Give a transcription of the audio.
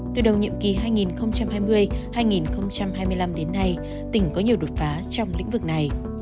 từ đầu nhiệm kỳ hai nghìn hai mươi hai nghìn hai mươi năm đến nay tỉnh có nhiều đột phá trong lĩnh vực này